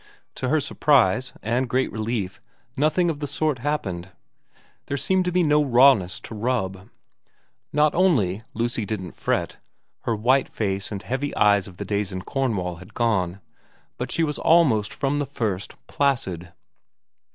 To her surprise and great relief nothing of the sort happened. There seemed to be no rawness to rub. Not only Lucy didn't fret her white face and heavy eyes of the days in Cornwall had gone but she was almost from the first placid.